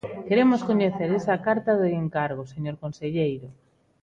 Queremos coñecer esa carta de encargo, señor conselleiro.